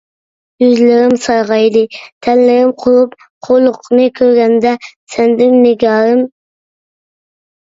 يۈزلىرىم سارغايدى، تەنلىرىم قۇرۇپ، خورلۇقنى كۆرگەندە، سەندىن نىگارىم.